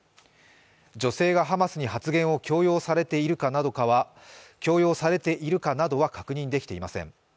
女性がハマスに発言を強要されているかなどは確認できていません。